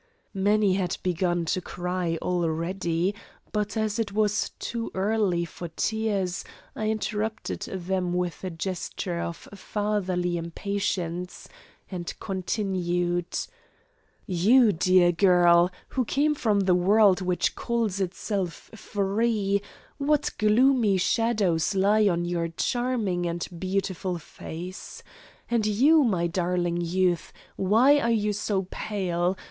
Many had begun to cry already, but, as it was too early for tears, I interrupted them with a gesture of fatherly impatience, and continued: "You, dear girl, who came from the world which calls itself free what gloomy shadows lie on your charming and beautiful face! And you, my daring youth, why are you so pale?